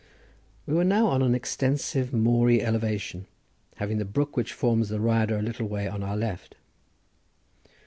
We were now on an extensive moory elevation, having the brook which forms the Rhyadr a little way on our left.